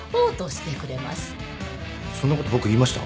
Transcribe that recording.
そんなこと僕言いました？